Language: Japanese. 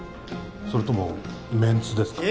それともメンツですか？